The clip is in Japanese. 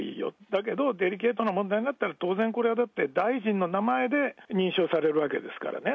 だけどデリケートな問題だったら当然これはだって、大臣の名前で認証されるわけですからね。